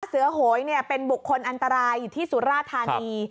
เสื้อโหยเป็นบุคคลอันตรายที่สุรธารณี